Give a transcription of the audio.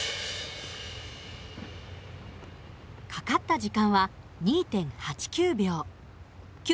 かかった時間は２．８９秒。